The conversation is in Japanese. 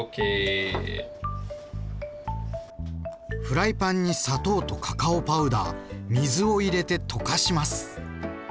フライパンに砂糖とカカオパウダー水を入れて溶かします。